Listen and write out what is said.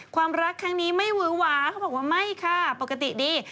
ความรักครั้งนี้ไม่หวือหวาเขาบอกว่าไม่ค่ะปกติดี